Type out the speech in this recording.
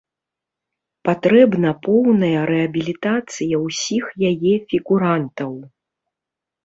Патрэбна поўная рэабілітацыя ўсіх яе фігурантаў.